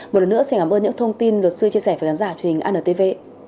một lần nữa xin cảm ơn những thông tin luật sư chia sẻ với khán giả truyền hình antv